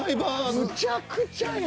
むちゃくちゃや。